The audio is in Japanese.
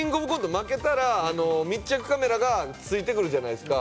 負けたら密着カメラがついてくるじゃないですか